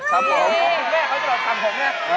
นาตาแดกเค้าจะตอบฝากผมนี่